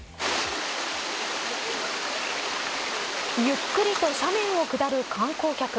ゆっくりと斜面を下る観光客。